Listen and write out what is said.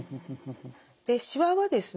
でしわはですね